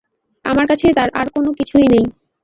আমার কাছে তার আর কোনো কিছুই নেই।